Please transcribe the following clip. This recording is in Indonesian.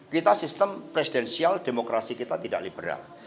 kita sistem presidensial demokrasi kita tidak liberal